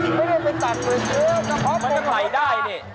ไม่ได้ไปตัดเฉยเค้าก็พวกฝนไหลได้นี่